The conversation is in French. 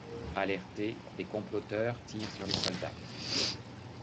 Alertés, des comploteurs tirent sur les soldats.